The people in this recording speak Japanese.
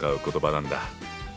なんだ！